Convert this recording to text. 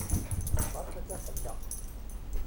Beṛka-k aqelleq.